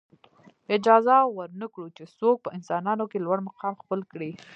اجازه ورنه کړو چې څوک په انسانانو کې لوړ مقام خپل کړي.